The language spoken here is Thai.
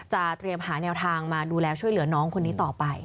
เตรียมหาแนวทางมาดูแลช่วยเหลือน้องคนนี้ต่อไป